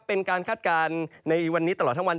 เป็นการคาดการณ์ในวันนี้ตลอดทั้งวัน